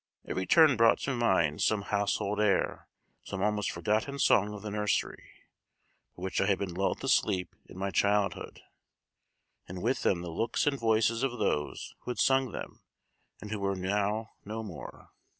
Every turn brought to mind some household air some almost forgotten song of the nursery, by which I had been lulled to sleep in my childhood; and with them the looks and voices of those who had sung them, and who were now no more.